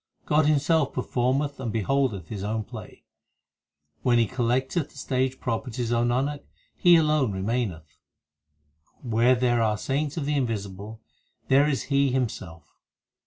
God Himself performeth and beholdeth His own play ; When He collecteth the stage properties, 1 Nanak, He alone remaineth. 8 Where there are saints of the Invisible, there is He Him self.